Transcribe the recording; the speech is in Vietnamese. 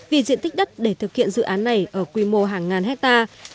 vì diện tích đất để thực hiện dự án này ở quy mô hàng ngàn hectare